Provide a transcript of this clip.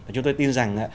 chúng tôi tin rằng